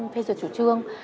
phê dựa chủ trương